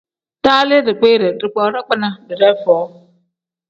Daalii dikpiiri, dikpoo dagbina didee foo.